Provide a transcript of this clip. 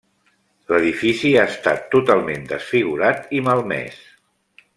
L'edifici ha estat totalment desfigurat i malmès.